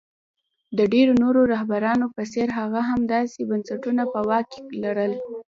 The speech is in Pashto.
د ډېرو نورو رهبرانو په څېر هغه هم داسې بنسټونه په واک کې لرل.